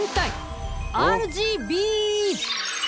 ＲＧＢーズ！